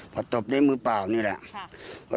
พอตบด้วยมือเปล่านี่แหละ